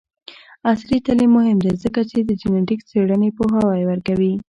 عصري تعلیم مهم دی ځکه چې د جینیټک څیړنې پوهاوی ورکوي.